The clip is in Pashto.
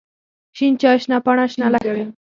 شين چای، شنه پاڼه، شنه لښته.